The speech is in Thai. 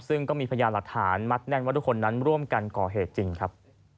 ซึ่งก็มีพยานหลักฐานมัดแน่นว่าทุกคนนั้นร่วมกันก่อเหตุจริงครับ